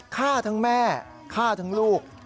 ฆ่าทั้งแม่ฆ่าทั้งลูก